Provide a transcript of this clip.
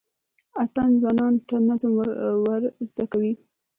اتڼ ځوانانو ته نظم ور زده کوي.